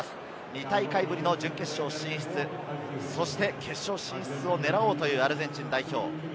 ２大会ぶりの準決勝進出、そして決勝進出を狙おうというアルゼンチン代表。